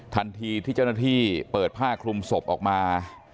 ทันทีที่เจ้าหน้าที่เปิดผ้าคลุมศพออกมา